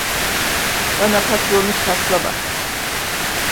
Bana patronluk taslama.